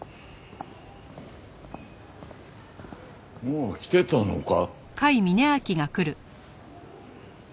ああ来てたのか。